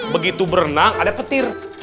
begitu berenang ada petir